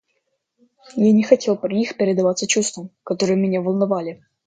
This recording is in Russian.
Я не хотел при них предаваться чувствам, которые меня волновали.